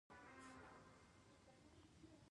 د ټولنې بېلابېلې ډلې له قدرت څخه حذف کیږي.